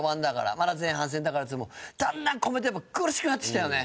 「まだ前半戦だから」っつってもだんだんコメントやっぱ苦しくなってきたよね。